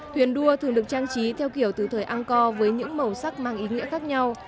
thuyền đua thường được trang trí theo kiểu từ thời an co với những màu sắc mang ý nghĩa khác nhau